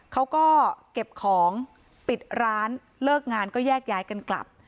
เขาก็เก็บของปิดร้านเลิกงานก็แยกย้ายกันกลับ